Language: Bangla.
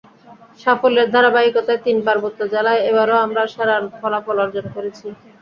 সাফল্যের ধারাবাহিকতায় তিন পার্বত্য জেলায় এবারও আমরা সেরা ফলাফল অর্জন করেছি।